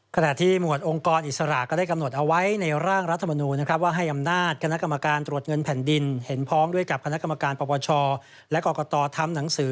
เป็นแต่เขียนสิ่งให้มันชัดเจนว่าใครจะชี้